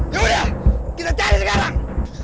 yaudah kita cari sekarang